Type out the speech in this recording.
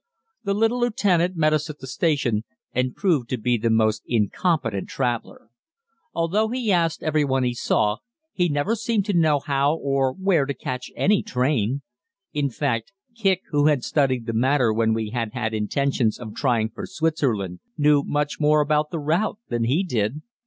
The little lieutenant met us at the station, and proved to be the most incompetent traveler. Although he asked every one he saw, he never seemed to know how or where to catch any train. In fact, Kicq, who had studied the matter when we had had intentions of trying for Switzerland, knew much more about the route than he did.